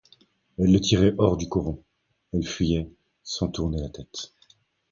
Elle le tirait hors du coron, elle fuyait, sans tourner la tête.